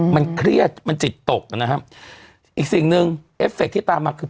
มันเครียดมันจิตตกนะครับอีกสิ่งหนึ่งเอฟเฟคที่ตามมาคือ